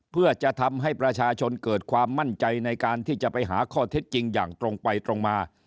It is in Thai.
เพื่อจะทำให้ประชาชนเกิดความมั่นใจในการที่จะไปหาข้อเท็จจริงอย่างตรงไปตรงมา